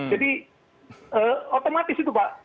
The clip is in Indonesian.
jadi otomatis itu pak